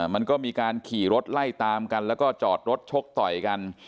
มันก็มีการขี่รถไล่ตามกันแล้วก็จอดรถชกต่อยกัน